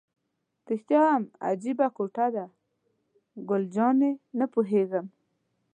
رښتیا هم عجیبه کوټه ده، ګل جانې: نه پوهېږم.